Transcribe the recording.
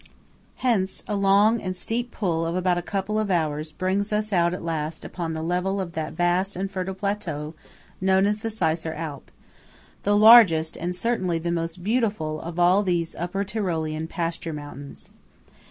Hence a long and steep pull of about a couple of hours brings us out at last upon the level of that vast and fertile plateau known as the Seisser Alp–the largest, and certainly the most beautiful, of all these upper Tyrolean pasture mountains.